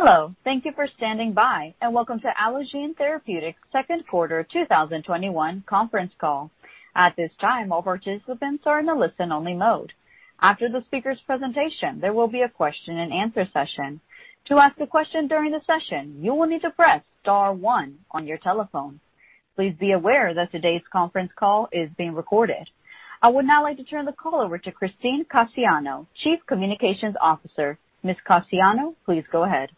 Hello. Thank you for standing by, and welcome to Allogene Therapeutics' second quarter 2021 conference call. At this time, all participants are in the listen-only mode. After the speaker's presentation, there will be a question-and-answer session. To ask a question during the session, you will need to press star one on your telephone. Please be aware that today's conference call is being recorded. I would now like to turn the call over to Christine Cassiano, Chief Communications Officer. Ms. Cassiano, please go ahead.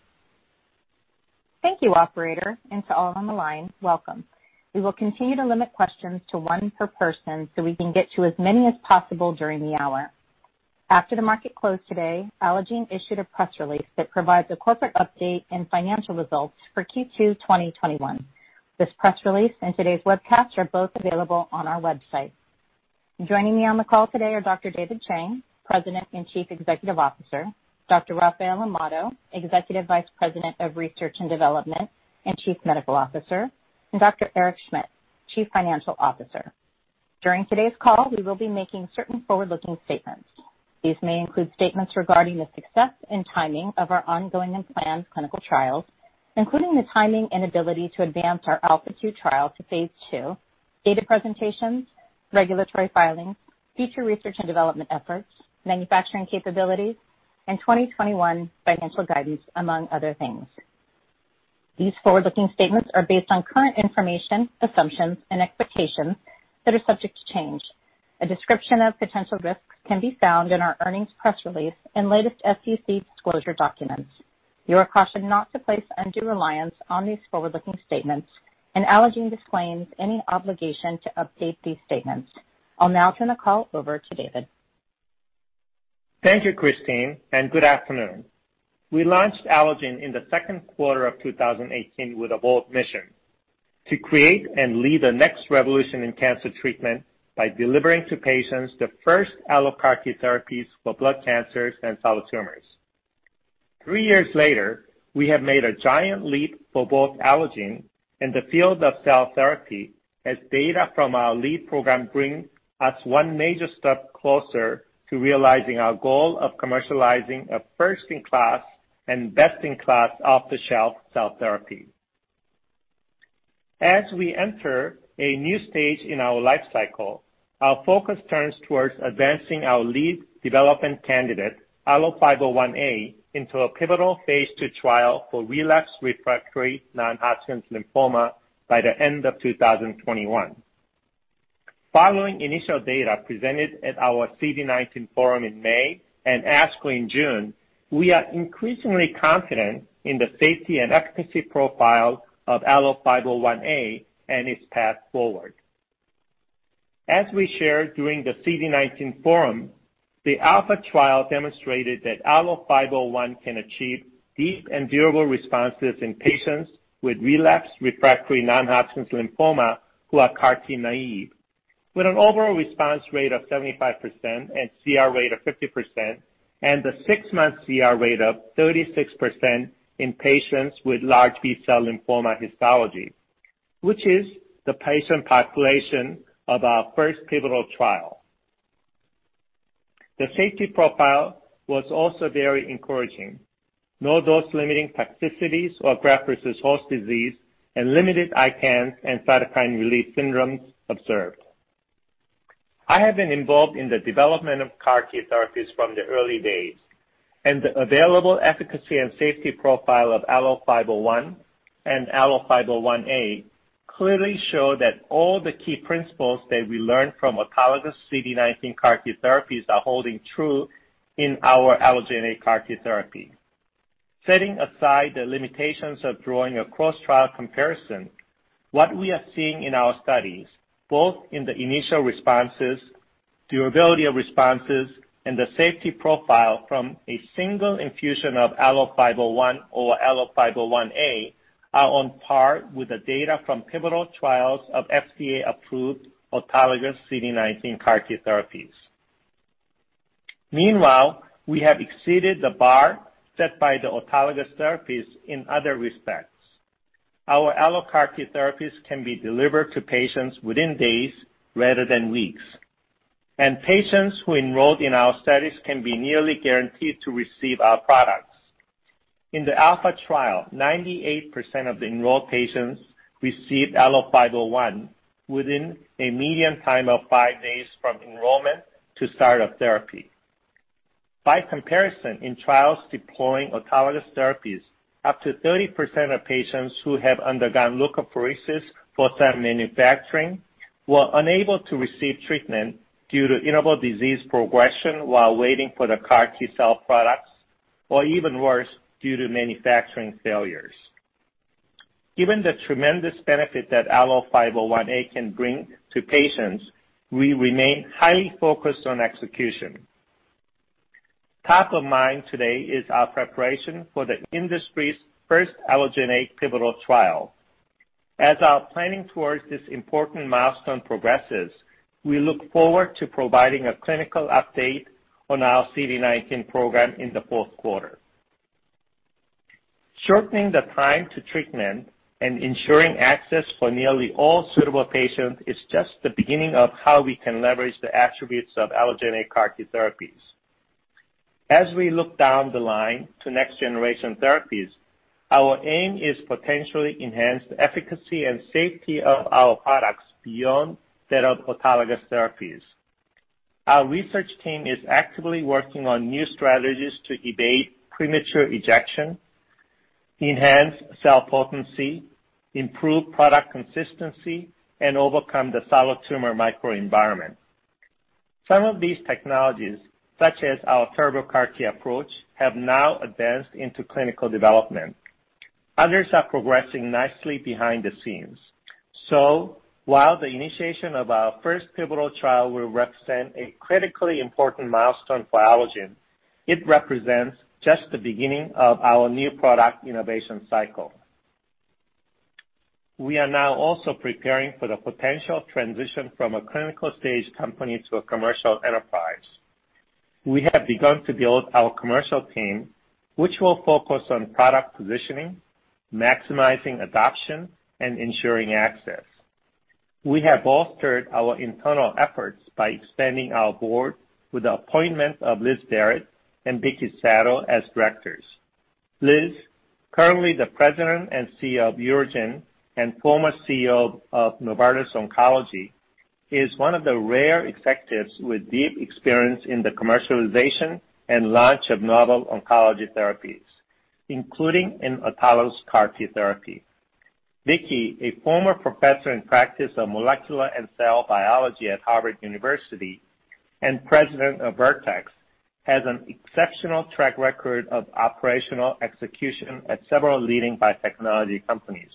Thank you, operator, and to all on the line, welcome. We will continue to limit questions to one per person so we can get to as many as possible during the hour. After the market closed today, Allogene issued a press release that provides a corporate update and financial results for Q2 2021. This press release and today's webcast are both available on our website. Joining me on the call today are Dr. David Chang, President and Chief Executive Officer, Dr. Rafael Amado, Executive Vice President of Research and Development and Chief Medical Officer, and Dr. Eric Schmidt, Chief Financial Officer. During today's call, we will be making certain forward-looking statements. These may include statements regarding the success and timing of our ongoing and planned clinical trials, including the timing and ability to advance our ALPHA2 trial to phase II, data presentations, regulatory filings, future research and development efforts, manufacturing capabilities, and 2021 financial guidance, among other things. These forward-looking statements are based on current information, assumptions, and expectations that are subject to change. A description of potential risks can be found in our earnings press release and latest SEC disclosure documents. You are cautioned not to place undue reliance on these forward-looking statements, and Allogene disclaims any obligation to update these statements. I'll now turn the call over to David. Thank you, Christine, and good afternoon. We launched Allogene in the second quarter of 2018 with a bold mission: to create and lead the Next Revolution in cancer treatment by delivering to patients the first AlloCAR T therapies for blood cancers and solid tumors. Three years later, we have made a giant leap for both Allogene and the field of cell therapy, as data from our lead program brings us one major step closer to realizing our goal of commercializing a first-in-class and best-in-class off-the-shelf cell therapy. As we enter a new stage in our life cycle, our focus turns towards advancing our lead development candidate, ALLO-501A, into a pivotal phase II trial for relapsed refractory non-Hodgkin's lymphoma by the end of 2021. Following initial data presented at our CD19 forum in May and ASCO in June, we are increasingly confident in the safety and efficacy profile of ALLO-501A and its path forward. As we shared during the CD19 forum, the Alpha trial demonstrated that ALLO-501 can achieve deep and `durable responses in patients with relapse refractory non-Hodgkin's lymphoma who are CAR T naive, with an overall response rate of 75% and CR rate of 50%, and the six-month CR rate of 36% in patients with large B-cell lymphoma histology, which is the patient population of our first pivotal trial. The safety profile was also very encouraging: no dose-limiting toxicities or graft versus host disease, and limited ICANS and cytokine release syndromes observed. I have been involved in the development of CAR T therapies from the early days, and the available efficacy and safety profile of ALLO-501 and ALLO-501A clearly show that all the key principles that we learned from autologous CD19 CAR T therapies are holding true in our Allogene CAR T therapy. Setting aside the limitations of drawing a cross-trial comparison, what we are seeing in our studies, both in the initial responses, durability of responses, and the safety profile from a single infusion of ALLO-501 or ALLO-501A, are on par with the data from pivotal trials of FDA-approved autologous CD19 CAR T therapies. Meanwhile, we have exceeded the bar set by the autologous therapies in other respects. Our AlloCAR T therapies can be delivered to patients within days rather than weeks, and patients who enrolled in our studies can be nearly guaranteed to receive our products. In the ALPHA3 trial, 98% of the enrolled patients received ALLO-501 within a median time of five days from enrollment to startup therapy. By comparison, in trials deploying autologous therapies, up to 30% of patients who have undergone leukapheresis for cell manufacturing were unable to receive treatment due to interval disease progression while waiting for the CAR T cell products, or even worse, due to manufacturing failures. Given the tremendous benefit that ALLO-501A can bring to patients, we remain highly focused on execution. Top of mind today is our preparation for the industry's first Allogene pivotal trial. As our planning towards this important milestone progresses, we look forward to providing a clinical update on our CD19 program in the fourth quarter. Shortening the time to treatment and ensuring access for nearly all suitable patients is just the beginning of how we can leverage the attributes of Allogene CAR T therapies. As we look down the line to next-generation therapies, our aim is to potentially enhance the efficacy and safety of our products beyond that of autologous therapies. Our research team is actively working on new strategies to evade premature rejection, enhance cell potency, improve product consistency, and overcome the solid tumor microenvironment. Some of these technologies, such as our Turbo-CAR T approach, have now advanced into clinical development. Others are progressing nicely behind the scenes. While the initiation of our first pivotal trial will represent a critically important milestone for Allogene, it represents just the beginning of our new product innovation cycle. We are now also preparing for the potential transition from a clinical-stage company to a commercial enterprise. We have begun to build our commercial team, which will focus on product positioning, maximizing adoption, and ensuring access. We have bolstered our internal efforts by expanding our board with the appointment of Liz Barrett and Vicky Sadow as directors. Liz, currently the President and CEO of Eurogen and former CEO of Novartis Oncology, is one of the rare executives with deep experience in the commercialization and launch of novel oncology therapies, including an autologous CAR T therapy. Vicky, a former professor in practice of molecular and cell biology at Harvard University and President of Vertex, has an exceptional track record of operational execution at several leading biotechnology companies.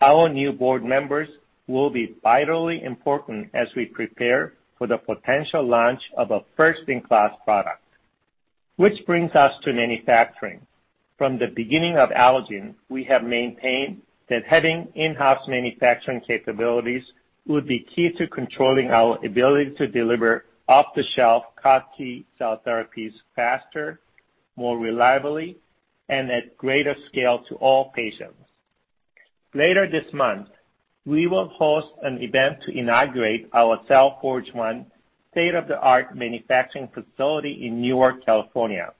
Our new board members will be vitally important as we prepare for the potential launch of a first-in-class product, which brings us to manufacturing. From the beginning of Allogene, we have maintained that having in-house manufacturing capabilities would be key to controlling our ability to deliver off-the-shelf CAR T cell therapies faster, more reliably, and at greater scale to all patients. Later this month, we will host an event to inaugurate our CellForge One state-of-the-art manufacturing facility in Newark, California.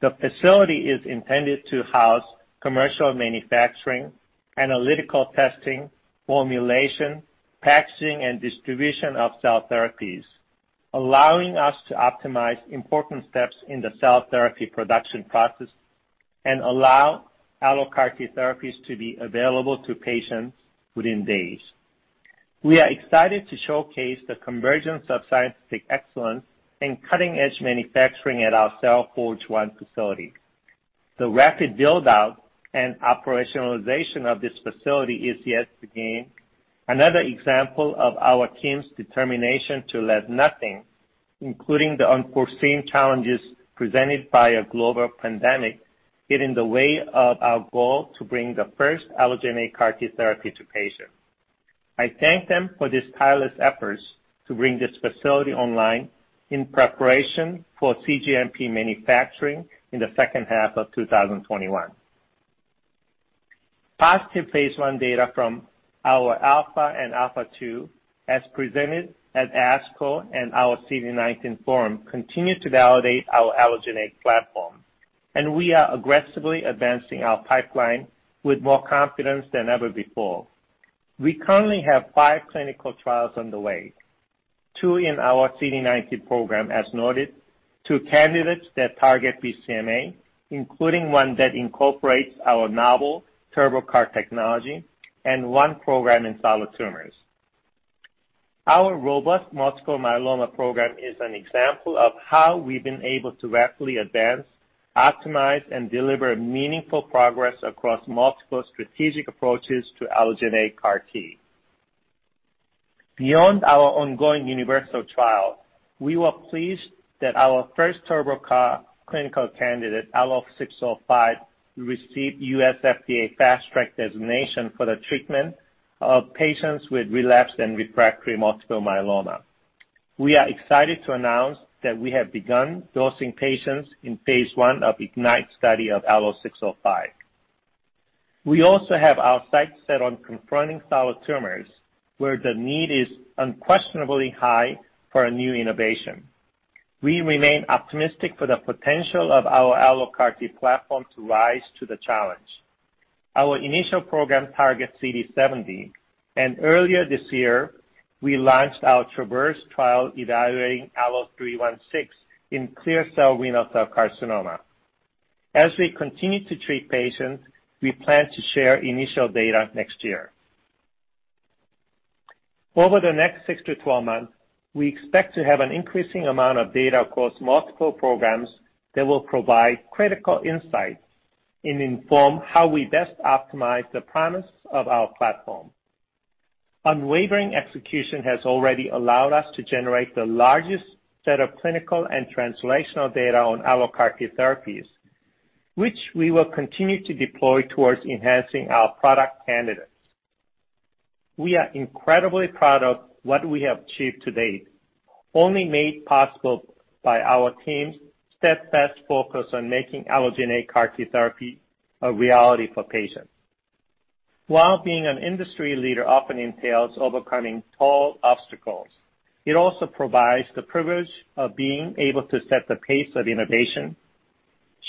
The facility is intended to house commercial manufacturing, analytical testing, formulation, packaging, and distribution of cell therapies, allowing us to optimize important steps in the cell therapy production process and allow allogeneic therapies to be available to patients within days. We are excited to showcase the convergence of scientific excellence and cutting-edge manufacturing at our CellForge One facility. The rapid build-out and operationalization of this facility is yet another example of our team's determination to let nothing, including the unforeseen challenges presented by a global pandemic, get in the way of our goal to bring the first Allogene CAR T therapy to patients. I thank them for their tireless efforts to bring this facility online in preparation for CGMP manufacturing in the second half of 2021. Positive phase I data from our ALPHA and ALPHA2, as presented at ASCO and our CD19 forum, continue to validate our Allogene platform, and we are aggressively advancing our pipeline with more confidence than ever before. We currently have five clinical trials underway: two in our CD19 program, as noted, two candidates that target BCMA, including one that incorporates our novel Turbo-CAR technology, and one program in solid tumors. Our robust multiple myeloma program is an example of how we've been able to rapidly advance, optimize, and deliver meaningful progress across multiple strategic approaches to Allogene CAR T. Beyond our ongoing UNIVERSAL trial, we were pleased that our first Turbo-CAR clinical candidate, Allo605, received US FDA Fast Track designation for the treatment of patients with relapsed and refractory multiple myeloma. We are excited to announce that we have begun dosing patients in phase I of the IGNITE study of Allo605. We also have our sights set on confronting solid tumors, where the need is unquestionably high for a new innovation. We remain optimistic for the potential of our allogeneic platform to rise to the challenge. Our initial program targets CD70, and earlier this year, we launched our TRAVERSE trial evaluating Allo316 in clear cell renal cell carcinoma. As we continue to treat patients, we plan to share initial data next year. Over the next 6 to 12 months, we expect to have an increasing amount of data across multiple programs that will provide critical insights and inform how we best optimize the promise of our platform. Unwavering execution has already allowed us to generate the largest set of clinical and translational data on allogeneic therapies, which we will continue to deploy towards enhancing our product candidates. We are incredibly proud of what we have achieved to date, only made possible by our team's steadfast focus on making Allogene CAR T therapy a reality for patients. While being an industry leader often entails overcoming tall obstacles, it also provides the privilege of being able to set the pace of innovation,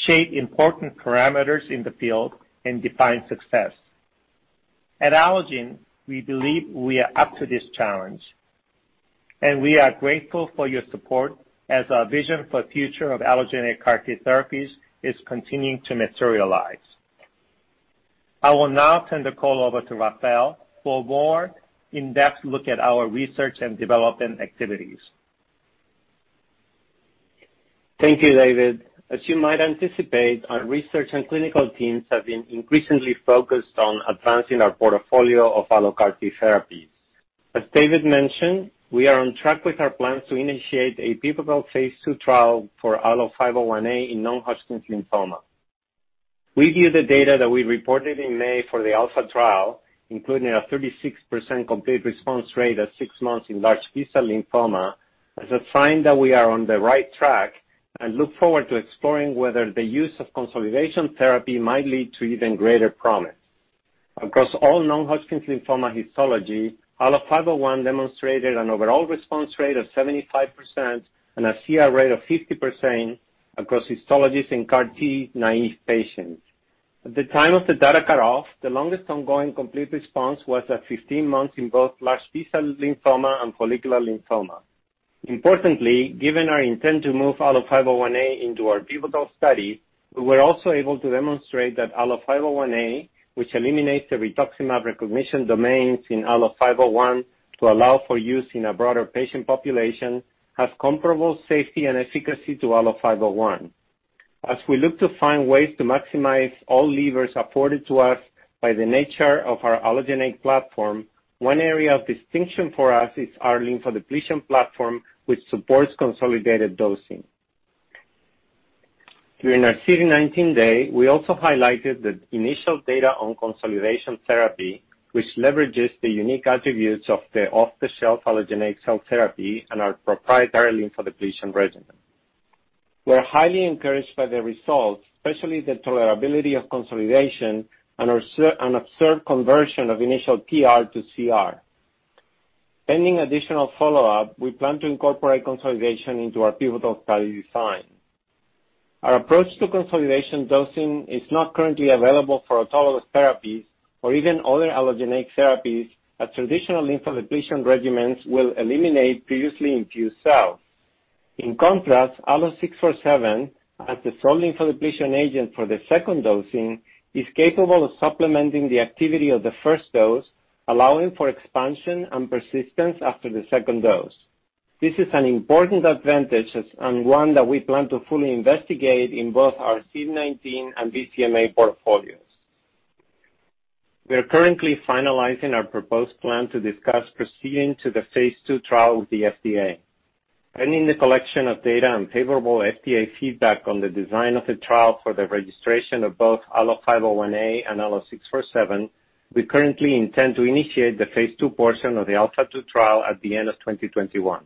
shape important parameters in the field, and define success. At Allogene, we believe we are up to this challenge, and we are grateful for your support as our vision for the future of Allogene CAR T therapies is continuing to materialize. I will now turn the call over to Rafael for a more in-depth look at our research and development activities. Thank you, David. As you might anticipate, our research and clinical teams have been increasingly focused on advancing our portfolio of allogeneic therapies. As David mentioned, we are on track with our plans to initiate a pivotal phase II trial for ALLO-501A in non-Hodgkin's lymphoma. We view the data that we reported in May for the ALPHA3 trial, including a 36% complete response rate at six months in large B-cell lymphoma, as a sign that we are on the right track and look forward to exploring whether the use of consolidation therapy might lead to even greater promise. Across all non-Hodgkin's lymphoma histology, ALLO-501 demonstrated an overall response rate of 75% and a CR rate of 50% across histologies in CAR T naive patients. At the time of the data cut-off, the longest ongoing complete response was at 15 months in both large B-cell lymphoma and follicular lymphoma. Importantly, given our intent to move ALLO-501A into our pivotal studies, we were also able to demonstrate that ALLO-501A, which eliminates the rituximab recognition domains in ALLO-501 to allow for use in a broader patient population, has comparable safety and efficacy to ALLO-501. As we look to find ways to maximize all levers afforded to us by the nature of our Allogene platform, one area of distinction for us is our lymphodepletion platform, which supports consolidated dosing. During our CD19 day, we also highlighted the initial data on consolidation therapy, which leverages the unique attributes of the off-the-shelf Allogene cell therapy and our proprietary lymphodepletion regimen. We're highly encouraged by the results, especially the tolerability of consolidation and observed conversion of initial PR to CR. Pending additional follow-up, we plan to incorporate consolidation into our pivotal study design. Our approach to consolidation dosing is not currently available for autologous therapies or even other Allogene therapies as traditional lymphodepletion regimens will eliminate previously infused cells. In contrast, Allo647, as the sole lymphodepletion agent for the second dosing, is capable of supplementing the activity of the first dose, allowing for expansion and persistence after the second dose. This is an important advantage and one that we plan to fully investigate in both our CD19 and BCMA portfolios. We are currently finalizing our proposed plan to discuss proceeding to the phase II trial with the FDA. Pending the collection of data and favorable FDA feedback on the design of the trial for the registration of both ALLO-501A and Allo647, we currently intend to initiate the phase II portion of the Alpha2 trial at the end of 2021.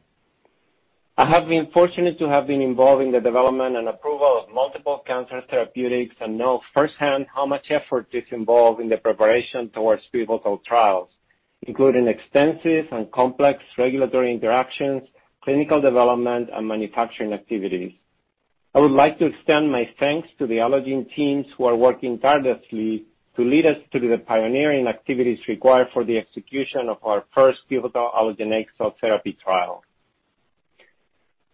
I have been fortunate to have been involved in the development and approval of multiple cancer therapeutics and know firsthand how much effort is involved in the preparation towards pivotal trials, including extensive and complex regulatory interactions, clinical development, and manufacturing activities. I would like to extend my thanks to the Allogene teams who are working tirelessly to lead us through the pioneering activities required for the execution of our first pivotal Allogene cell therapy trial.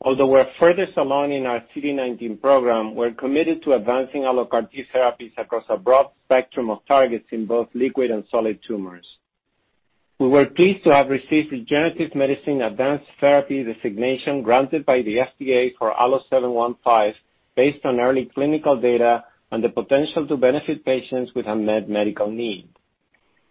Although we're further along in our CD19 program, we're committed to advancing allogeneic therapies across a broad spectrum of targets in both liquid and solid tumors. We were pleased to have received Regenerative Medicine Advanced Therapy designation granted by the FDA for Allo715 based on early clinical data and the potential to benefit patients with unmet medical needs.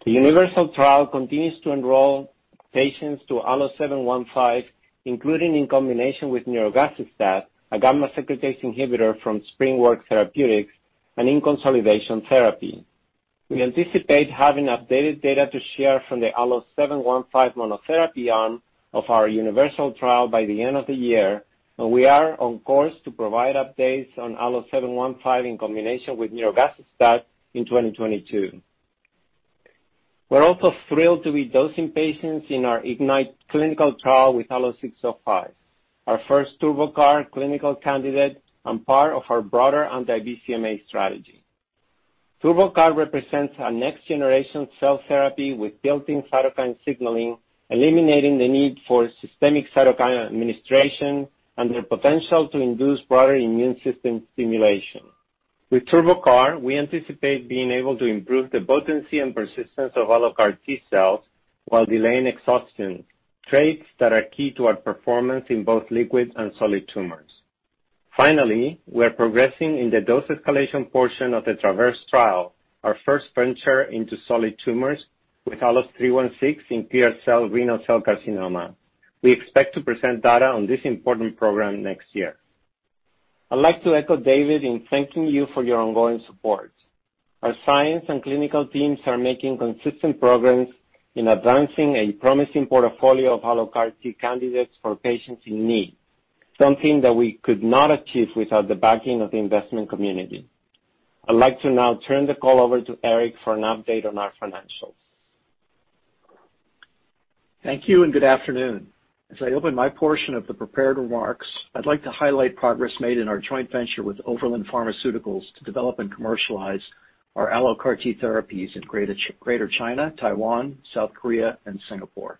The UNIVERSAL trial continues to enroll patients to Allo715, including in combination with nirogacestat, a gamma secretase inhibitor from SpringWorks Therapeutics, and in consolidation therapy. We anticipate having updated data to share from the Allo715 monotherapy arm of our UNIVERSAL trial by the end of the year, and we are on course to provide updates on Allo715 in combination with nirogacestat in 2022. We're also thrilled to be dosing patients in our IGNITE clinical trial with Allo605, our first Turbo-CAR clinical candidate and part of our broader anti-BCMA strategy. Turbo-CAR represents a next-generation cell therapy with built-in cytokine signaling, eliminating the need for systemic cytokine administration and the potential to induce broader immune system stimulation. With Turbo-CAR, we anticipate being able to improve the potency and persistence of allogeneic CAR T cells while delaying exhaustion, traits that are key to our performance in both liquid and solid tumors. Finally, we are progressing in the dose escalation portion of the TRAVERSE trial, our first venture into solid tumors with Allo316 in clear cell renal cell carcinoma. We expect to present data on this important program next year. I'd like to echo David in thanking you for your ongoing support. Our science and clinical teams are making consistent progress in advancing a promising portfolio of allogeneic candidates for patients in need, something that we could not achieve without the backing of the investment community. I'd like to now turn the call over to Eric for an update on our financials. Thank you and good afternoon. As I open my portion of the prepared remarks, I'd like to highlight progress made in our joint venture with Overland Pharmaceuticals to develop and commercialize our allogeneic therapies in Greater China, Taiwan, South Korea, and Singapore.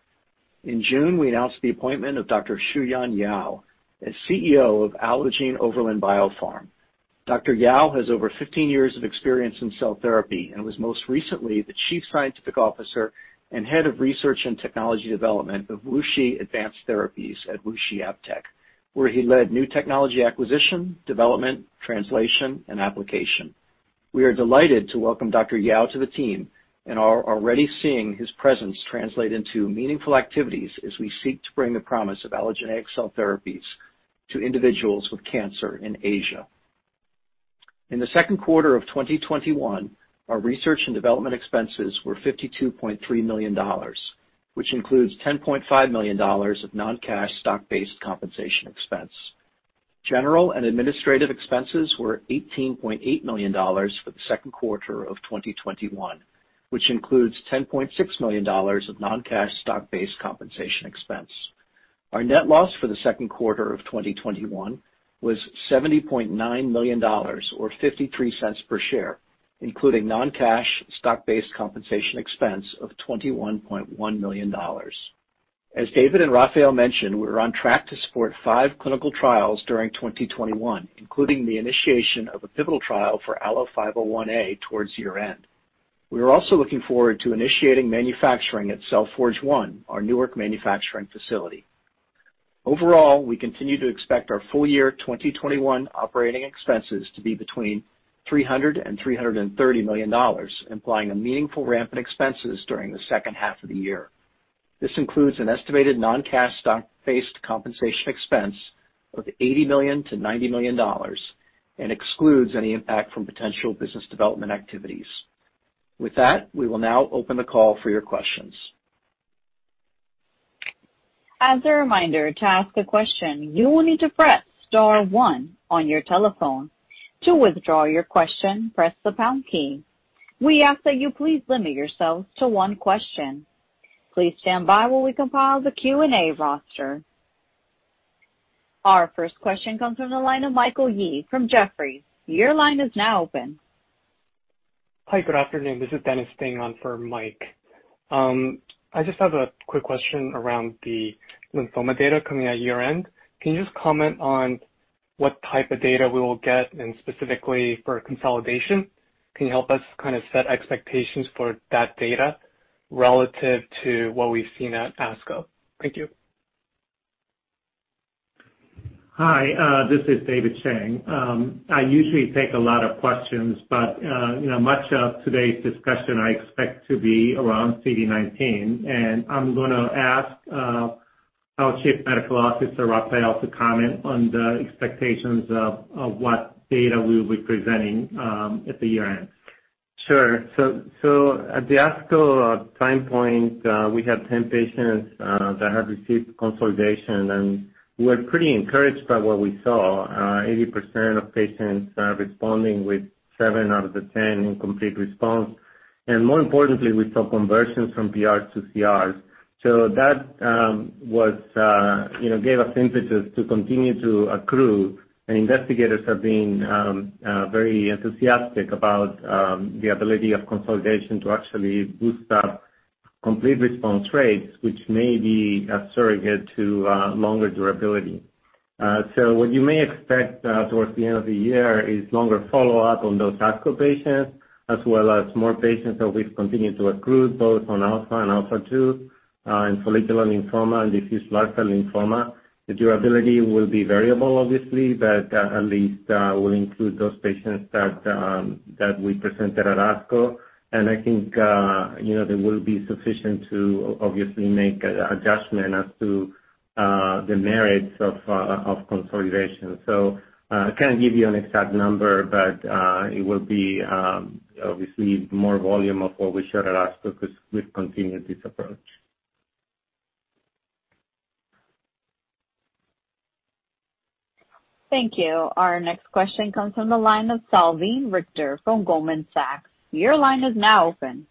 In June, we announced the appointment of Dr. Shuyan Yao as CEO of Allogene Overland BioPharm. Dr. Yao has over 15 years of experience in cell therapy and was most recently the Chief Scientific Officer and Head of Research and Technology Development of Wuxi AppTec, where he led new technology acquisition, development, translation, and application. We are delighted to welcome Dr. Yao to the team and are already seeing his presence translate into meaningful activities as we seek to bring the promise of Allogene cell therapies to individuals with cancer in Asia. In the second quarter of 2021, our research and development expenses were $52.3 million, which includes $10.5 million of non-cash stock-based compensation expense. General and administrative expenses were $18.8 million for the second quarter of 2021, which includes $10.6 million of non-cash stock-based compensation expense. Our net loss for the second quarter of 2021 was $70.9 million, or $0.53 per share, including non-cash stock-based compensation expense of $21.1 million. As David and Rafael mentioned, we're on track to support five clinical trials during 2021, including the initiation of a pivotal trial for ALLO-501A towards year-end. We are also looking forward to initiating manufacturing at CellForge One, our Newark manufacturing facility. Overall, we continue to expect our full year 2021 operating expenses to be between $300 million and $330 million, implying a meaningful ramp in expenses during the second half of the year. This includes an estimated non-cash stock-based compensation expense of $80 million-$90 million and excludes any impact from potential business development activities. With that, we will now open the call for your questions. As a reminder, to ask a question, you will need to press star one on your telephone. To withdraw your question, press the pound key. We ask that you please limit yourselves to one question. Please stand by while we compile the Q&A roster. Our first question comes from the line of Michael Yee from Jefferies. Your line is now open. Hi, good afternoon. This Dennis Ding on for Mike. I just have a quick question around the lymphoma data coming at year-end. Can you just comment on what type of data we will get and specifically for consolidation? Can you help us kind of set expectations for that data relative to what we've seen at ASCO? Thank you. Hi, this is David Chang. I usually take a lot of questions, but much of today's discussion I expect to be around CD19. I'm going to ask our Chief Medical Officer, Rafael, to comment on the expectations of what data we'll be presenting at the year-end. Sure. At the ASCO time point, we had 10 patients that had received consolidation, and we were pretty encouraged by what we saw: 80% of patients responding with 7 out of the 10 in complete response. More importantly, we saw conversions from PRs to CRs. That gave us impetus to continue to accrue. Investigators have been very enthusiastic about the ability of consolidation to actually boost up complete response rates, which may be a surrogate to longer durability. What you may expect towards the end of the year is longer follow-up on those ASCO patients, as well as more patients that we've continued to accrue both on Alpha and Alpha2 and follicular lymphoma and diffuse lymphoma. The durability will be variable, obviously, but at least we'll include those patients that we presented at ASCO. I think they will be sufficient to obviously make an adjustment as to the merits of consolidation. I can't give you an exact number, but it will be obviously more volume of what we showed at ASCO because we've continued this approach. Thank you. Our next question comes from the line of Salveen Richter from Goldman Sachs. Your line is now open.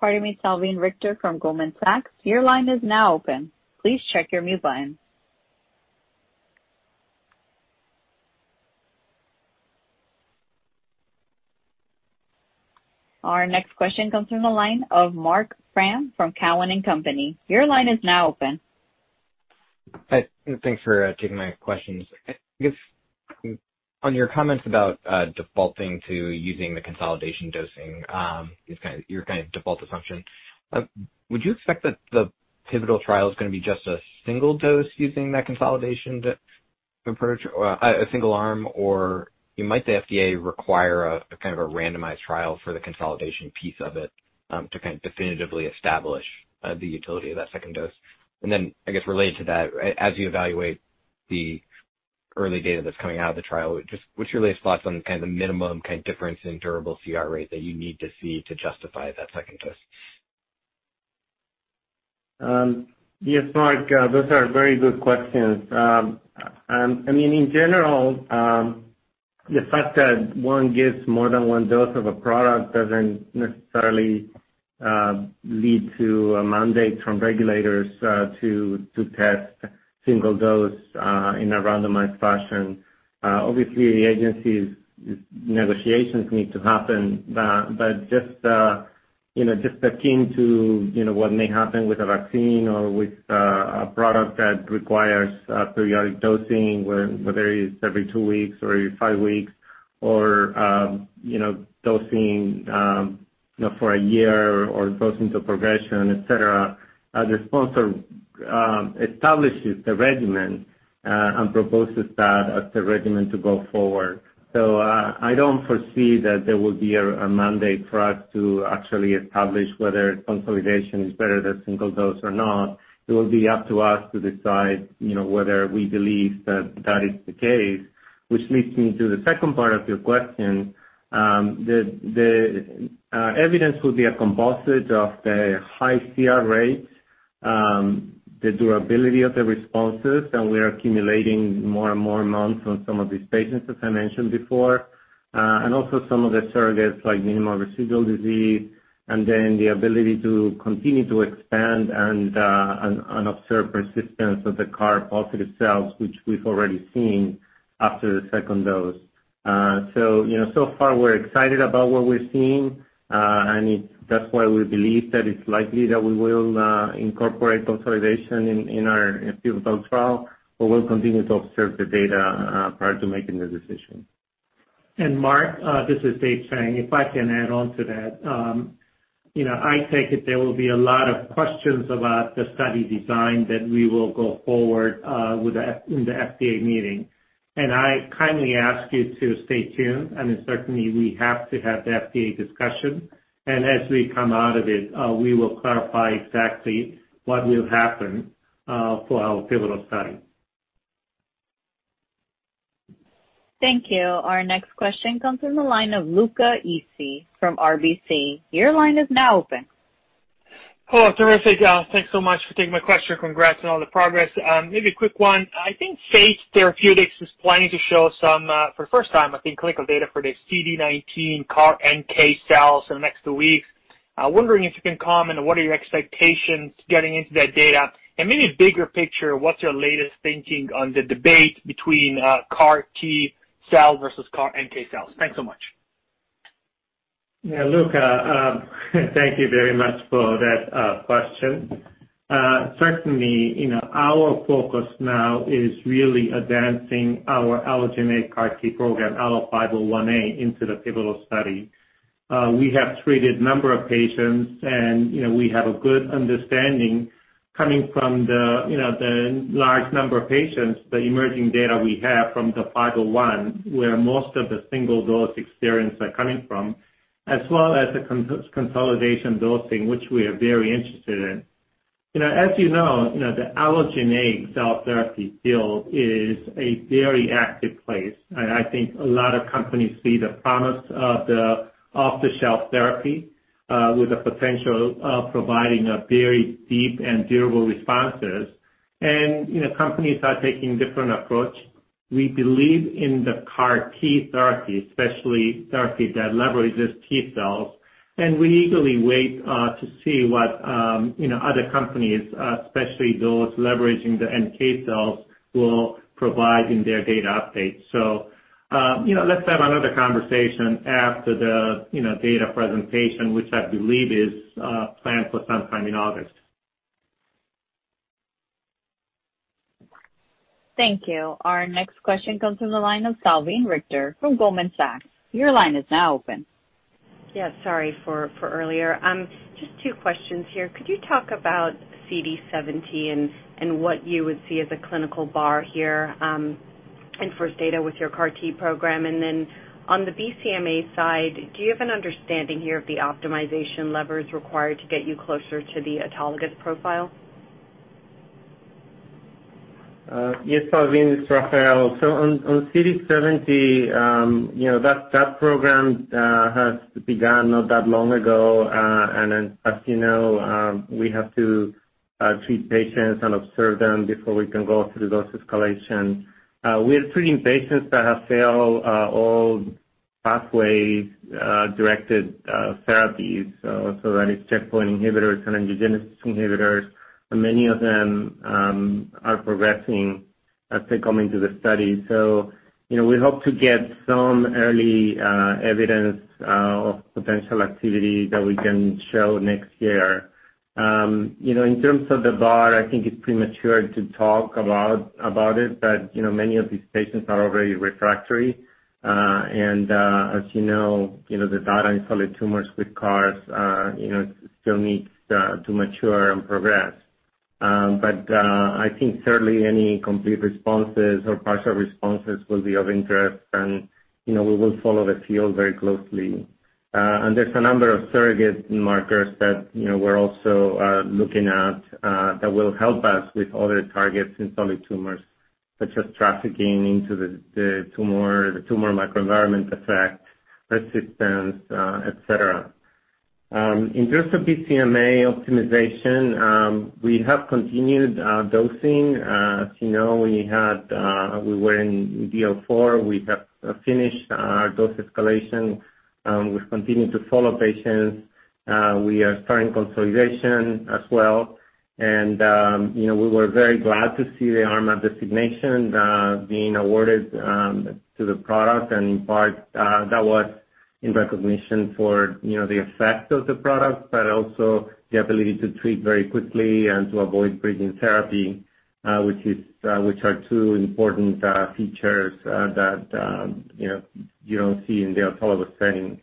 Pardon me, Salveen Richter from Goldman Sachs. Your line is now open. Please check your mute button. Our next question comes from the line of Marc Frahm from Cowen & Company. Your line is now open. Thanks for taking my questions. On your comments about defaulting to using the consolidation dosing, your kind of default assumption, would you expect that the pivotal trial is going to be just a single dose using that consolidation approach, a single arm, or might the FDA require a kind of a randomized trial for the consolidation piece of it to kind of definitively establish the utility of that second dose? I guess, related to that, as you evaluate the early data that's coming out of the trial, what's your latest thoughts on kind of the minimum kind of difference in durable CR rate that you need to see to justify that second dose? Yes, Marc, those are very good questions. I mean, in general, the fact that one gets more than one dose of a product doesn't necessarily lead to mandates from regulators to test single dose in a randomized fashion. Obviously, the agency's negotiations need to happen, but just akin to what may happen with a vaccine or with a product that requires periodic dosing, whether it's every two weeks or every five weeks or dosing for a year or dosing to progression, et cetera, the sponsor establishes the regimen and proposes that as the regimen to go forward. I don't foresee that there will be a mandate for us to actually establish whether consolidation is better than single dose or not. It will be up to us to decide whether we believe that that is the case, which leads me to the second part of your question. The evidence would be a composite of the high CR rate, the durability of the responses, and we are accumulating more and more months on some of these patients, as I mentioned before, and also some of the surrogates like minimal residual disease, and then the ability to continue to expand and observe persistence of the CAR positive cells, which we've already seen after the second dose. So far, we're excited about what we're seeing, and that's why we believe that it's likely that we will incorporate consolidation in our pivotal trial, but we'll continue to observe the data prior to making the decision. Marc, this is Dave Chang. If I can add on to that, I take it there will be a lot of questions about the study design that we will go forward with the FDA meeting. I kindly ask you to stay tuned, and certainly, we have to have the FDA discussion. As we come out of it, we will clarify exactly what will happen for our pivotal study. Thank you. Our next question comes from the line of Luca Issi from RBC. Your line is now open. Oh, terrific. Thanks so much for taking my question. Congrats on all the progress. Maybe a quick one. I think Sage Therapeutics is planning to show some, for the first time, I think, clinical data for the CD19 CAR NK cells in the next two weeks. I'm wondering if you can comment on what are your expectations getting into that data and maybe a bigger picture, what's your latest thinking on the debate between CAR T cell versus CAR NK cells? Thanks so much. Yeah, Luca, thank you very much for that question. Certainly, our focus now is really advancing our Allogene CAR T program, ALLO-501A, into the pivotal study. We have treated a number of patients, and we have a good understanding coming from the large number of patients, the emerging data we have from the 501, where most of the single dose experience are coming from, as well as the consolidation dosing, which we are very interested in. As you know, the Allogene cell therapy field is a very active place. I think a lot of companies see the promise of the off-the-shelf therapy with the potential of providing very deep and durable responses. Companies are taking a different approach. We believe in the CAR T therapy, especially therapy that leverages T cells. We eagerly wait to see what other companies, especially those leveraging the NK cells, will provide in their data updates. Let's have another conversation after the data presentation, which I believe is planned for sometime in August. Thank you. Our next question comes from the line of Salveen Richter from Goldman Sachs. Your line is now open. Yes, sorry for earlier. Just two questions here. Could you talk about CD17 and what you would see as a clinical bar here and first data with your CAR T program? On the BCMA side, do you have an understanding here of the optimization levers required to get you closer to the autologous profile? Yes, Salveen, this is Rafael. On CD17, that program has begun not that long ago. As you know, we have to treat patients and observe them before we can go through those escalations. We are treating patients that have failed all pathway-directed therapies, so that is checkpoint inhibitors and angiogenesis inhibitors. Many of them are progressing as they come into the study. We hope to get some early evidence of potential activity that we can show next year. In terms of the bar, I think it is premature to talk about it, but many of these patients are already refractory. As you know, the data in solid tumors with CARs still needs to mature and progress. I think certainly any complete responses or partial responses will be of interest, and we will follow the field very closely. There are a number of surrogate markers that we're also looking at that will help us with other targets in solid tumors, such as trafficking into the tumor, the tumor microenvironment effect, resistance, et cetera. In terms of BCMA optimization, we have continued dosing. As you know, we were in DO4. We have finished our dose escalation. We've continued to follow patients. We are starting consolidation as well. We were very glad to see the RMAT designation being awarded to the product. In part, that was in recognition for the effect of the product, but also the ability to treat very quickly and to avoid bridging therapy, which are two important features that you don't see in the autologous setting.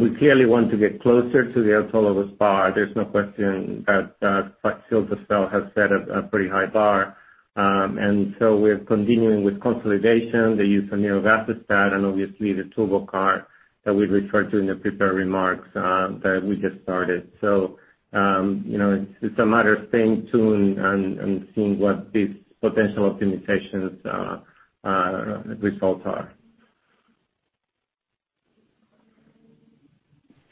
We clearly want to get closer to the autologous bar. There's no question that the cell has set a pretty high bar. We're continuing with consolidation, the use of nirogacestat, and obviously the Turbo-CAR that we referred to in the prepared remarks that we just started. It's a matter of staying tuned and seeing what these potential optimizations' results are.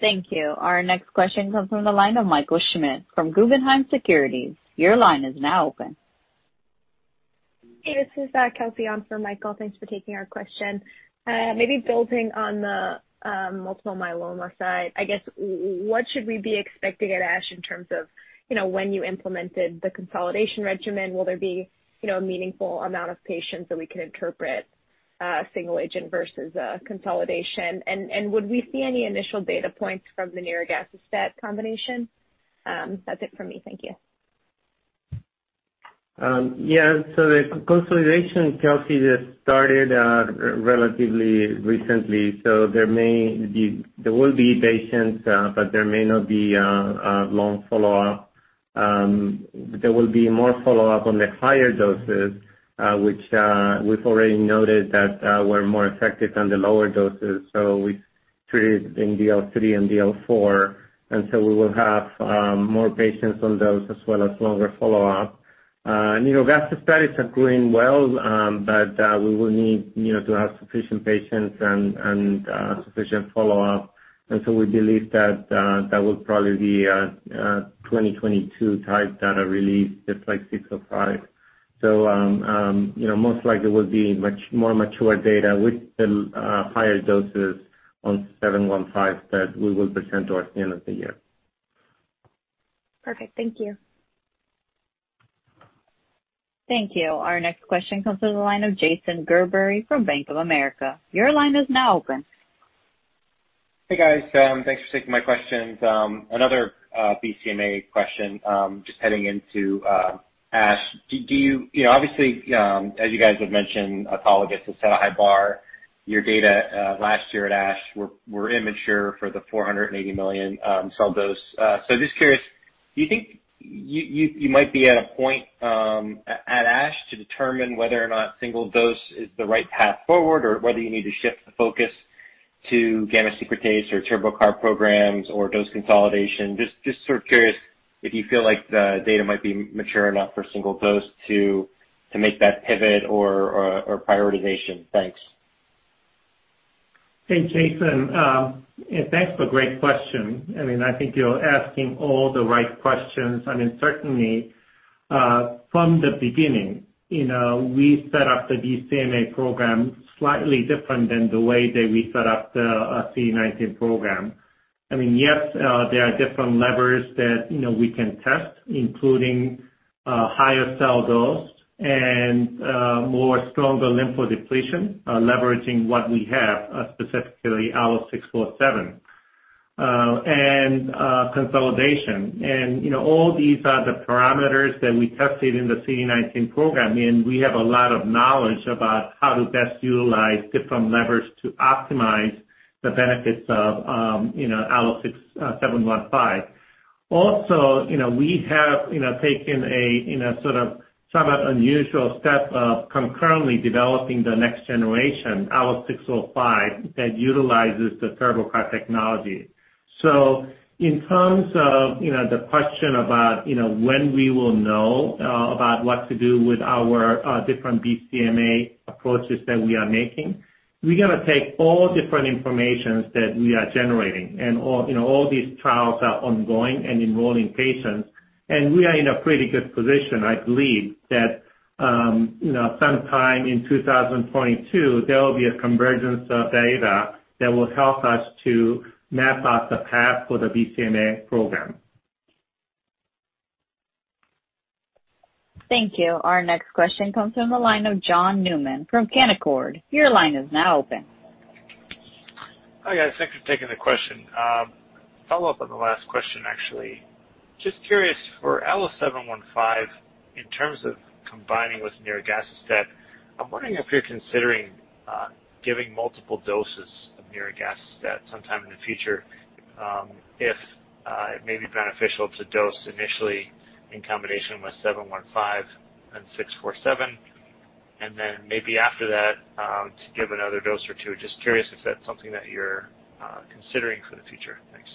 Thank you. Our next question comes from the line of Michael Schmidt from Guggenheim Securities. Your line is now open. Hey, this is Kelsey on for Michael. Thanks for taking our question. Maybe building on the multiple myeloma side, I guess, what should we be expecting at ASH in terms of when you implemented the consolidation regimen? Will there be a meaningful amount of patients that we can interpret single agent versus consolidation? Would we see any initial data points from the nirogacestat combination? That is it for me. Thank you. Yeah. The consolidation, Kelsey, just started relatively recently. There will be patients, but there may not be a long follow-up. There will be more follow-up on the higher doses, which we have already noted were more effective than the lower doses. We have treated in DO3 and DO4, and we will have more patients on those as well as longer follow-up. Nirogacestat is accruing well, but we will need to have sufficient patients and sufficient follow-up. We believe that will probably be a 2022 type data release, just like 605. Most likely, it will be much more mature data with the higher doses on 715 that we will present towards the end of the year. Perfect. Thank you. Thank you. Our next question comes from the line of Jason Gerberry from Bank of America. Your line is now open. Hey, guys. Thanks for taking my questions. Another BCMA question just heading into ASH. Obviously, as you guys have mentioned, autologous has had a high bar. Your data last year at ASH were immature for the 480 million cell dose. Just curious, do you think you might be at a point at ASH to determine whether or not single dose is the right path forward or whether you need to shift the focus to gamma secretase or Turbo-CAR programs or dose consolidation? Just sort of curious if you feel like the data might be mature enough for single dose to make that pivot or prioritization. Thanks. Thanks, Jason. Thanks for a great question. I mean, I think you're asking all the right questions. I mean, certainly, from the beginning, we set up the BCMA program slightly different than the way that we set up the CD19 program. I mean, yes, there are different levers that we can test, including higher cell dose and more stronger lymphodepletion leveraging what we have, specifically Allo647, and consolidation. All these are the parameters that we tested in the CD19 program. We have a lot of knowledge about how to best utilize different levers to optimize the benefits of Allo715. Also, we have taken a sort of somewhat unusual step of concurrently developing the next generation Allo605 that utilizes the Turbo-CAR technology. In terms of the question about when we will know about what to do with our different BCMA approaches that we are making, we're going to take all different information that we are generating. All these trials are ongoing and enrolling patients. We are in a pretty good position, I believe, that sometime in 2022, there will be a convergence of data that will help us to map out the path for the BCMA program. Thank you. Our next question comes from the line of John Newman from Canaccord. Your line is now open. Hi, guys. Thanks for taking the question. Follow-up on the last question, actually. Just curious, for Allo715, in terms of combining with nirogacestat, I'm wondering if you're considering giving multiple doses of nirogacestat sometime in the future if it may be beneficial to dose initially in combination with 715 and 647, and then maybe after that to give another dose or two. Just curious if that's something that you're considering for the future. Thanks.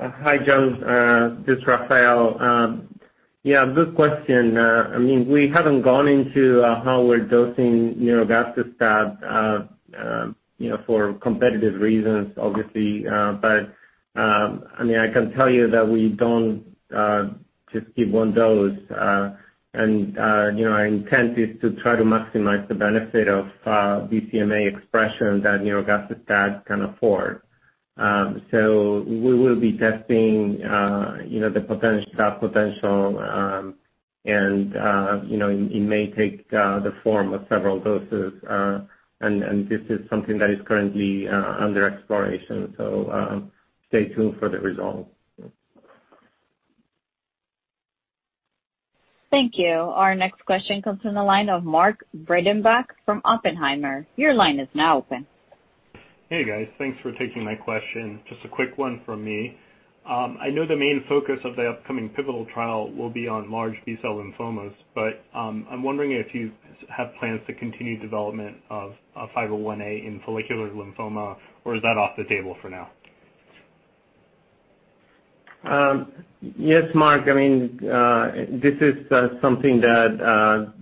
Hi, John. This is Rafael. Yeah, good question. I mean, we haven't gone into how we're dosing nirogacestat for competitive reasons, obviously. I can tell you that we don't just give one dose. Our intent is to try to maximize the benefit of BCMA expression that nirogacestat can afford. We will be testing that potential. It may take the form of several doses. This is something that is currently under exploration. Stay tuned for the results. Thank you. Our next question comes from the line of Mark Breidenbach from Oppenheimer. Your line is now open. Hey, guys. Thanks for taking my question. Just a quick one from me. I know the main focus of the upcoming pivotal trial will be on large B-cell lymphomas, but I'm wondering if you have plans to continue development of 501A in follicular lymphoma, or is that off the table for now? Yes, Mark. I mean, this is something that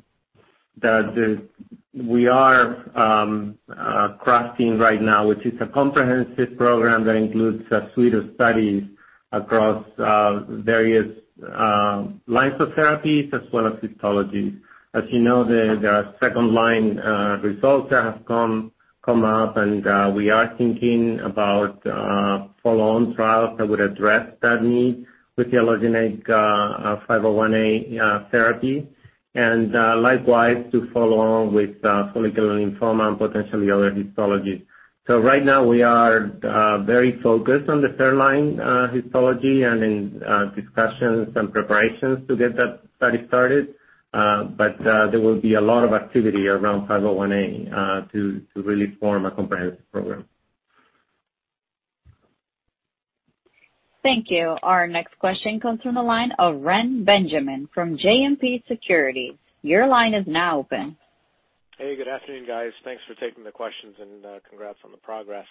we are crafting right now, which is a comprehensive program that includes a suite of studies across various lines of therapies as well as histologies. As you know, there are second-line results that have come up, and we are thinking about follow-on trials that would address that need with the ALLO-501A therapy, and likewise to follow on with follicular lymphoma and potentially other histologies. Right now, we are very focused on the third-line histology and in discussions and preparations to get that study started. There will be a lot of activity around ALLO-501A to really form a comprehensive program. Thank you. Our next question comes from the line of Reni Benjamin from JMP Securities. Your line is now open. Hey, good afternoon, guys. Thanks for taking the questions and congrats on the progress.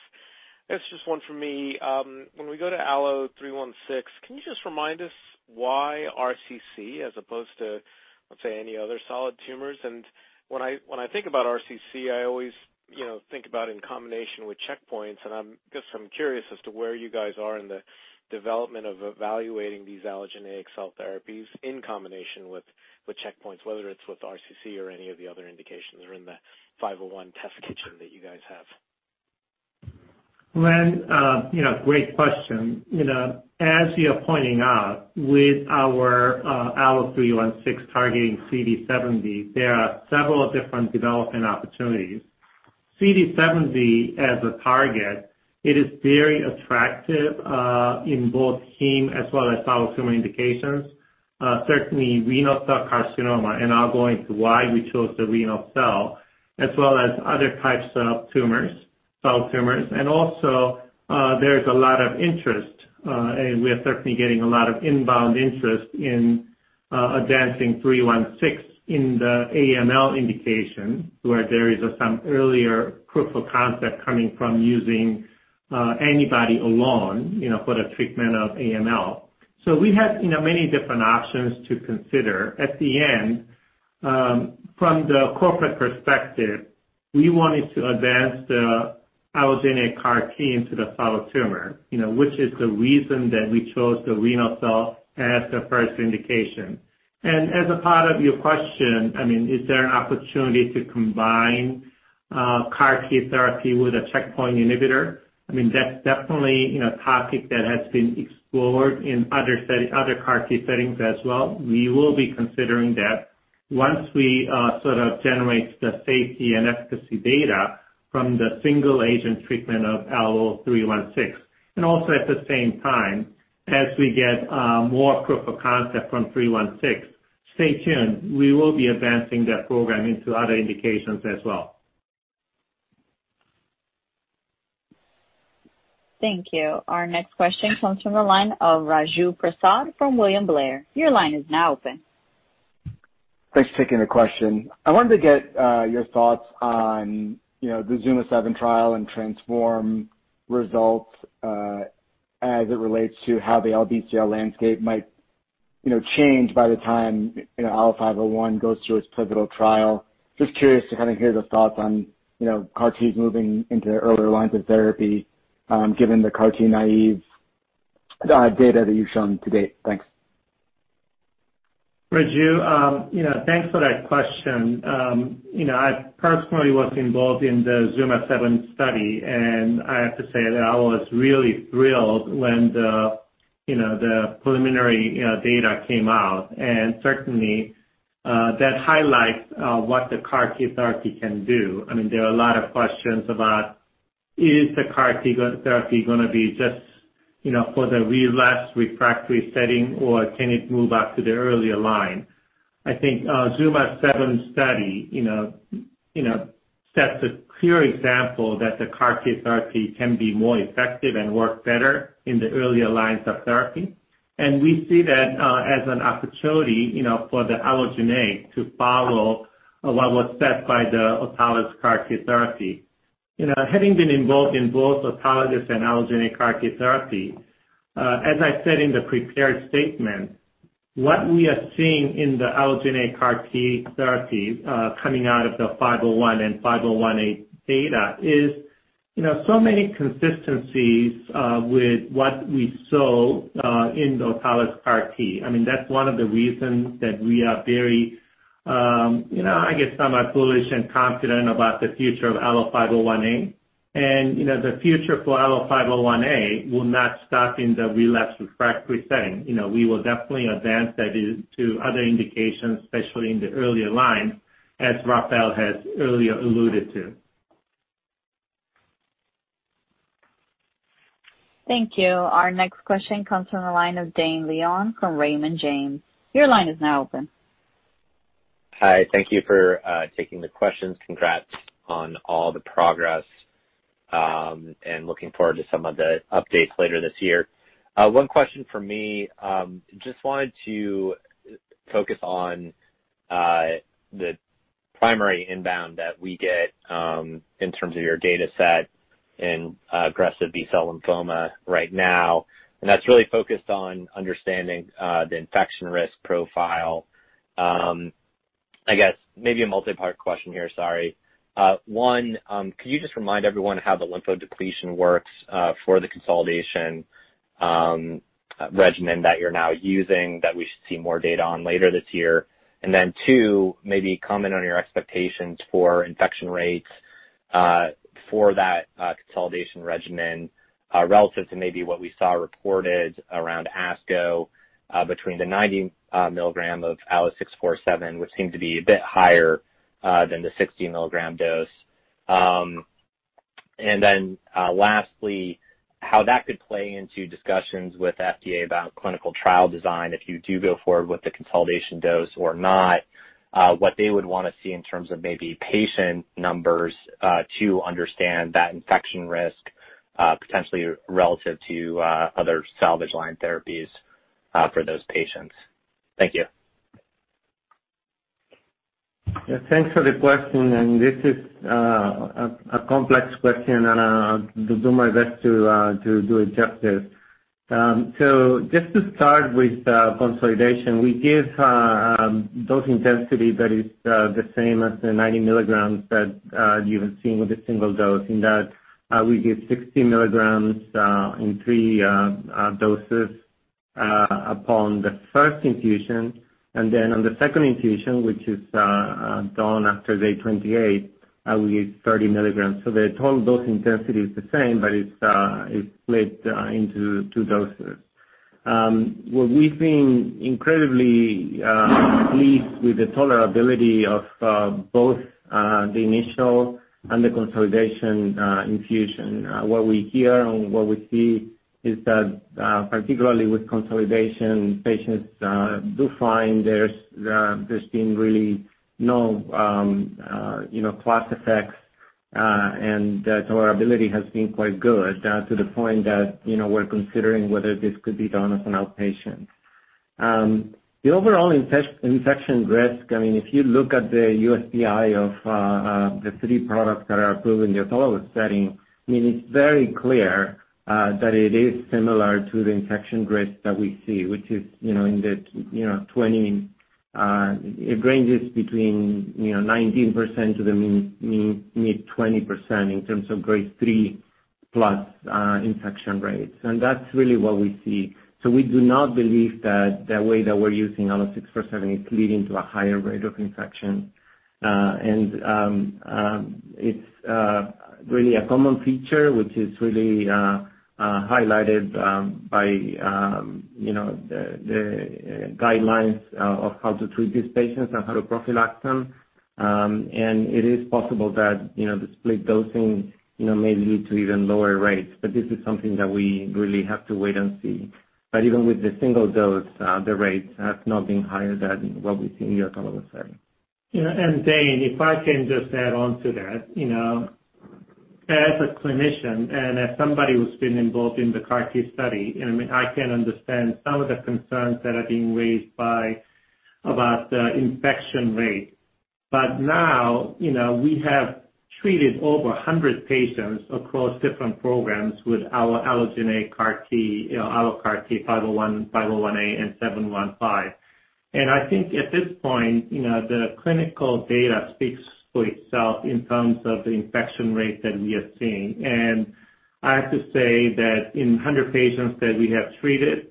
It's just one for me. When we go to Allo316, can you just remind us why RCC as opposed to, let's say, any other solid tumors? When I think about RCC, I always think about it in combination with checkpoints. I guess I'm curious as to where you guys are in the development of evaluating these Allogene cell therapies in combination with checkpoints, whether it's with RCC or any of the other indications or in the 501 test kitchen that you guys have. Reni, great question. As you're pointing out, with our Allo316 targeting CD70, there are several different development opportunities. CD70 as a target, it is very attractive in both heme as well as autologous tumor indications. Certainly, renal cell carcinoma and I'll go into why we chose the renal cell as well as other types of tumors, solid tumors. Also, there's a lot of interest. We are certainly getting a lot of inbound interest in advancing 316 in the AML indication, where there is some earlier proof of concept coming from using antibody alone for the treatment of AML. We have many different options to consider. At the end, from the corporate perspective, we wanted to advance the Allogene CAR T into the solid tumor, which is the reason that we chose the renal cell as the first indication. As a part of your question, I mean, is there an opportunity to combine CAR T therapy with a checkpoint inhibitor? I mean, that's definitely a topic that has been explored in other CAR T settings as well. We will be considering that once we sort of generate the safety and efficacy data from the single agent treatment of Allo316. Also, at the same time, as we get more proof of concept from 316, stay tuned. We will be advancing that program into other indications as well. Thank you. Our next question comes from the line of Raju Prasad from William Blair. Your line is now open. Thanks for taking the question. I wanted to get your thoughts on the ZUMA-7 trial and TRANSFORM results as it relates to how the LBCL landscape might change by the time ALLO-501 goes through its pivotal trial. Just curious to kind of hear the thoughts on CAR-Ts moving into the earlier lines of therapy given the CAR-T naive data that you've shown to date. Thanks. Raju, thanks for that question. I personally was involved in the ZUMA-7 study, and I have to say that I was really thrilled when the preliminary data came out. Certainly, that highlights what the CAR T therapy can do. I mean, there are a lot of questions about, is the CAR T therapy going to be just for the relapse refractory setting, or can it move up to the earlier line? I think the ZUMA-7 study sets a clear example that the CAR T therapy can be more effective and work better in the earlier lines of therapy. We see that as an opportunity for Allogene to follow what was set by the autologous CAR T therapy. Having been involved in both autologous and Allogene CAR T therapy, as I said in the prepared statement, what we are seeing in the Allogene CAR T therapy coming out of the 501 and 501A data is so many consistencies with what we saw in the autologous CAR T. I mean, that's one of the reasons that we are very, I guess, somewhat bullish and confident about the future of ALLO-501A. The future for ALLO-501A will not stop in the relapse refractory setting. We will definitely advance that into other indications, especially in the earlier lines, as Rafael has earlier alluded to. Thank you. Our next question comes from the line of Dane Leone from Raymond James. Your line is now open. Hi. Thank you for taking the questions. Congrats on all the progress. Looking forward to some of the updates later this year. One question for me. Just wanted to focus on the primary inbound that we get in terms of your data set and aggressive B-cell lymphoma right now. That's really focused on understanding the infection risk profile. I guess maybe a multi-part question here, sorry. One, could you just remind everyone how the lymphodepletion works for the consolidation regimen that you're now using that we should see more data on later this year? Two, maybe comment on your expectations for infection rates for that consolidation regimen relative to maybe what we saw reported around ASCO between the 90 milligram of Allo647, which seemed to be a bit higher than the 60 milligram dose. Lastly, how that could play into discussions with FDA about clinical trial design if you do go forward with the consolidation dose or not, what they would want to see in terms of maybe patient numbers to understand that infection risk potentially relative to other salvage line therapies for those patients. Thank you. Yeah, thanks for the question. This is a complex question, and I'll do my best to do it justice. Just to start with consolidation, we give dose intensity that is the same as the 90 mg that you've been seeing with the single dose in that we give 60 mg in three doses upon the first infusion. Then on the second infusion, which is done after day 28, we give 30 mg. The total dose intensity is the same, but it's split into two doses. We've been incredibly pleased with the tolerability of both the initial and the consolidation infusion. What we hear and what we see is that particularly with consolidation, patients do find there's been really no class effects, and the tolerability has been quite good to the point that we're considering whether this could be done as an outpatient. The overall infection risk, I mean, if you look at the USPI of the three products that are approved in the autologous setting, I mean, it's very clear that it is similar to the infection risk that we see, which is in the 20%—it ranges between 19% to the mid 20% in terms of grade 3 plus infection rates. That's really what we see. We do not believe that the way that we're using Allo647 is leading to a higher rate of infection. It is really a common feature, which is really highlighted by the guidelines of how to treat these patients and how to prophylax them. It is possible that the split dosing may lead to even lower rates, but this is something that we really have to wait and see. Even with the single dose, the rates have not been higher than what we see in the autologous setting. Yeah. And Dane, if I can just add on to that, as a clinician and as somebody who's been involved in the CAR T study, I mean, I can understand some of the concerns that are being raised about the infection rate. Now we have treated over 100 patients across different programs with our Allogene CAR T, AlloCAR T, 501, 501A, and 715. I think at this point, the clinical data speaks for itself in terms of the infection rate that we are seeing. I have to say that in 100 patients that we have treated,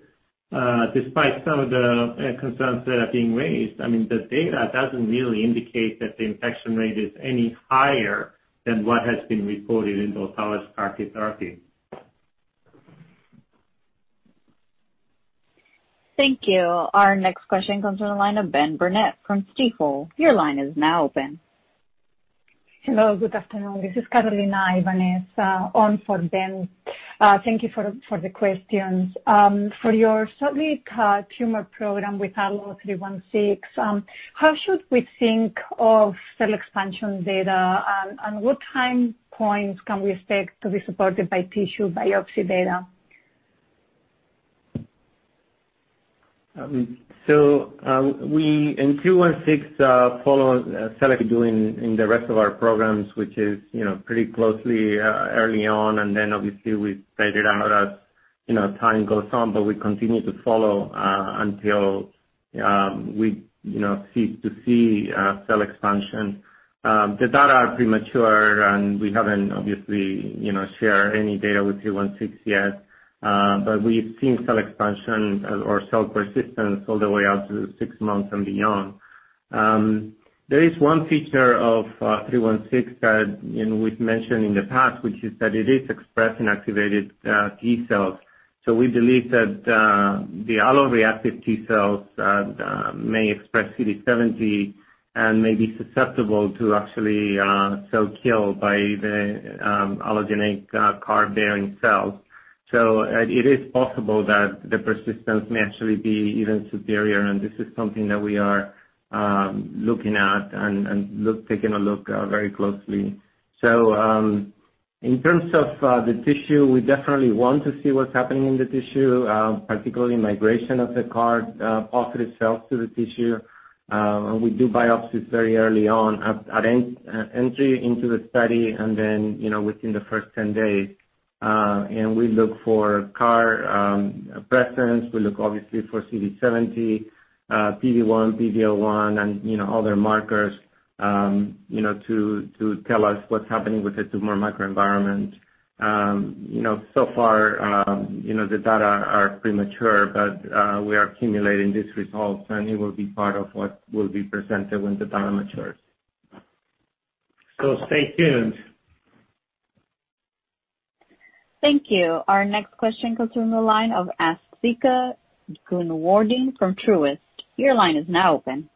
despite some of the concerns that are being raised, I mean, the data does not really indicate that the infection rate is any higher than what has been reported in the autologous CAR T therapy. Thank you. Our next question comes from the line of Ben Burnett from Stifel. Your line is now open. Hello. Good afternoon. This is Carolina Ibanez, on for Ben. Thank you for the questions. For your solid tumor program with ALLO-316, how should we think of cell expansion data, and what time points can we expect to be supported by tissue biopsy data? We in 316 follow cell. We do in the rest of our programs, which is pretty closely early on. Obviously, we spread it out as time goes on, but we continue to follow until we cease to see cell expansion. The data are premature, and we have not obviously shared any data with 316 yet, but we have seen cell expansion or cell persistence all the way out to six months and beyond. There is one feature of 316 that we've mentioned in the past, which is that it is expressing activated T cells. We believe that the autoreactive T cells may express CD70 and may be susceptible to actually cell kill by the allogeneic CAR bearing cells. It is possible that the persistence may actually be even superior. This is something that we are looking at and taking a look very closely. In terms of the tissue, we definitely want to see what's happening in the tissue, particularly migration of the CAR positive cells to the tissue. We do biopsies very early on at entry into the study and then within the first 10 days. We look for CAR presence. We look obviously for CD70, PD-1, PD-01, and other markers to tell us what's happening with the tumor microenvironment. So far, the data are premature, but we are accumulating these results, and it will be part of what will be presented when the data matures. Stay tuned. Thank you. Our next question comes from the line of Asthika Goonewardene from Truist. Your line is now open.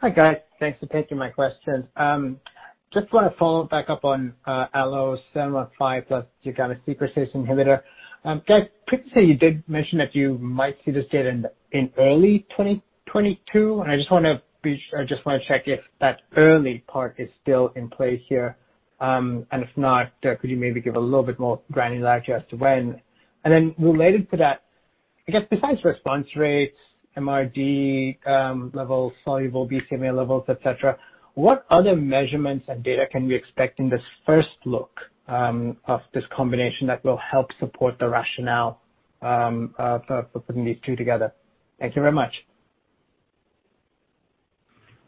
Hi, guys. Thanks for taking my questions. Just want to follow back up on Allo715 plus the gamma secretase inhibitor. Guys, previously, you did mention that you might see this data in early 2022. I just want to check if that early part is still in play here. If not, could you maybe give a little bit more granularity as to when? And then related to that, I guess besides response rates, MRD levels, soluble BCMA levels, etc., what other measurements and data can we expect in this first look of this combination that will help support the rationale for putting these two together? Thank you very much.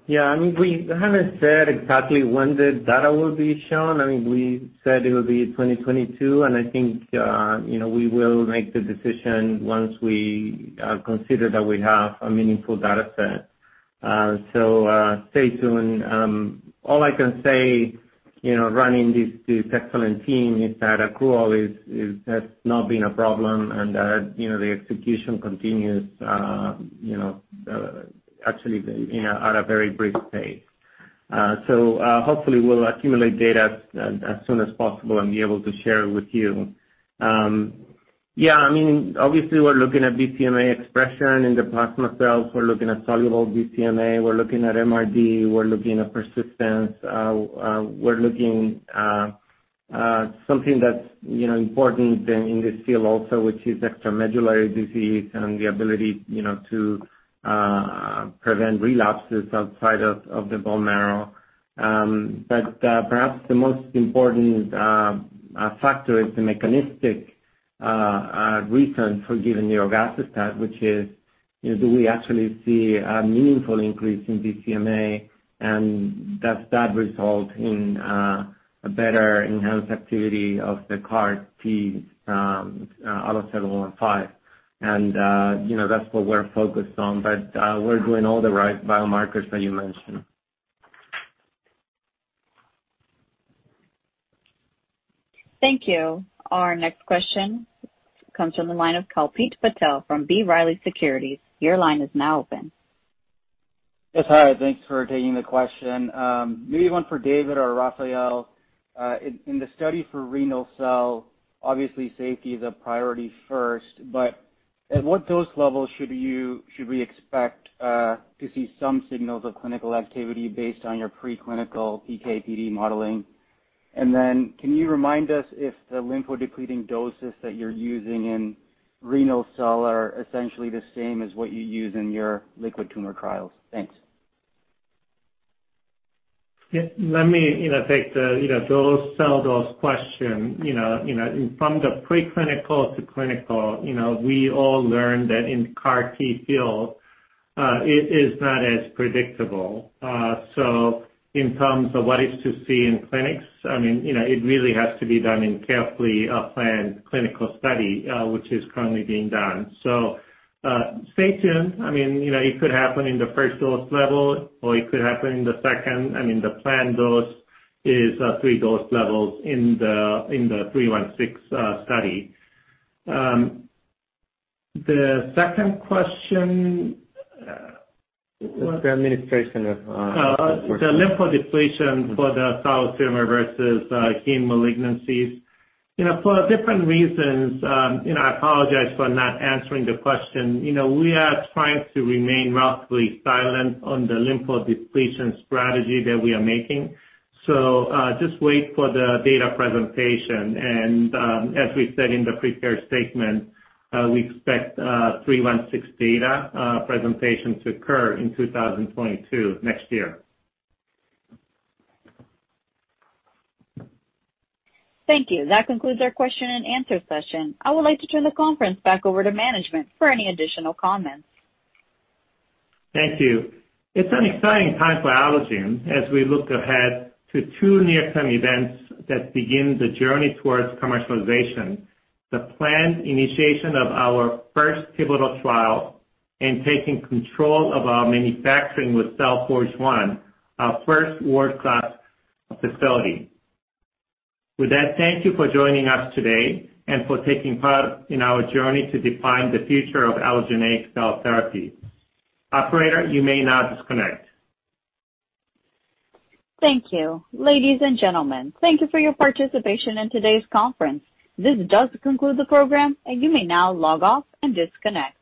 Yeah. I mean, we haven't said exactly when the data will be shown. I mean, we said it will be 2022, and I think we will make the decision once we consider that we have a meaningful data set. Stay tuned. All I can say, running this excellent team, is that accrual has not been a problem and that the execution continues actually at a very brisk pace. Hopefully, we'll accumulate data as soon as possible and be able to share it with you. Yeah. I mean, obviously, we're looking at BCMA expression in the plasma cells. We're looking at soluble BCMA. We're looking at MRD. We're looking at persistence. We're looking at something that's important in this field also, which is extramedullary disease and the ability to prevent relapses outside of the bone marrow. Perhaps the most important factor is the mechanistic reason for giving the nirogacestat, which is, do we actually see a meaningful increase in BCMA, and does that result in a better enhanced activity of the CAR T Allo715? That's what we're focused on. We're doing all the right biomarkers that you mentioned. Thank you. Our next question comes from the line of Kalpit Patel from B. Riley Securities. Your line is now open. Yes, hi. Thanks for taking the question. Maybe one for David or Rafael. In the study for renal cell, obviously, safety is a priority first, but at what dose level should we expect to see some signals of clinical activity based on your preclinical PK/PD modeling? And then can you remind us if the lymphodepleting doses that you're using in renal cell are essentially the same as what you use in your liquid tumor trials? Thanks. Yeah. Let me take the whole cell dose question. From the preclinical to clinical, we all learned that in CAR T field, it is not as predictable. In terms of what is to see in clinics, I mean, it really has to be done in carefully planned clinical study, which is currently being done. Stay tuned. I mean, it could happen in the first dose level, or it could happen in the second. The planned dose is three dose levels in the 316 study. The second question was the administration of the lymphodepletion for the solid tumor versus heme malignancies. For different reasons, I apologize for not answering the question. We are trying to remain relatively silent on the lymphodepletion strategy that we are making. Just wait for the data presentation. As we said in the prepared statement, we expect 316 data presentation to occur in 2022, next year. Thank you. That concludes our question and answer session. I would like to turn the conference back over to management for any additional comments. Thank you. It is an exciting time for Allogene as we look ahead to two near-term events that begin the journey towards commercialization, the planned initiation of our first pivotal trial, and taking control of our manufacturing with CellForge One, our first world-class facility. With that, thank you for joining us today and for taking part in our journey to define the future of allogeneic cell therapy. Operator, you may now disconnect. Thank you. Ladies and gentlemen, thank you for your participation in today's conference. This does conclude the program, and you may now log off and disconnect.